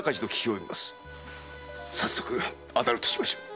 さっそく当たるとしましょう。